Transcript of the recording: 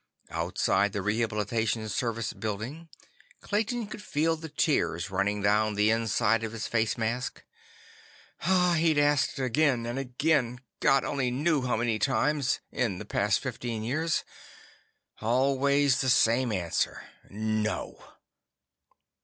Outside the Rehabilitation Service Building, Clayton could feel the tears running down the inside of his face mask. He'd asked again and again—God only knew how many times—in the past fifteen years. Always the same answer. No.